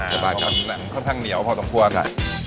อ่าค่ะค่อนข้างเหนียวพอต้องคั่วค่ะ